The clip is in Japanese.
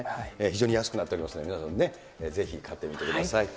非常に安くなっておりますのでね、皆さんね、ぜひ買ってみてください。